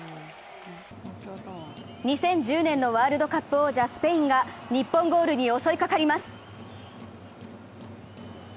２０１０年のワールドカップ王者・スペインが日本ゴールに襲いかかります。